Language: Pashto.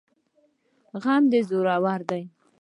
غم دي زورور دی